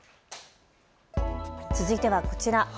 続いてはこちら。